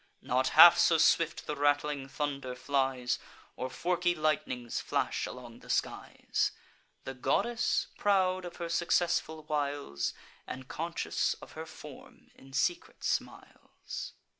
Not half so swift the rattling thunder flies, Or forky lightnings flash along the skies. The goddess, proud of her successful wiles, And conscious of her form, in secret smiles.